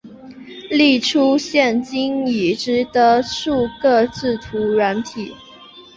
列出现今已知的数个制图软体